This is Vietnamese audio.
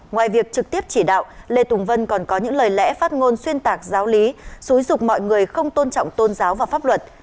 ngoài việc trực tiếp chỉ đạo lê tùng vân còn có những lời lẽ phát ngôn xuyên tạc giáo lý xúi dục mọi người không tôn trọng tôn giáo và pháp luật